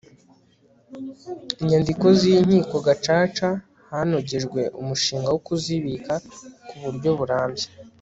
inyandiko z'inkiko gacaca hanogejwe umushinga wo kuzibika ku buryo burambye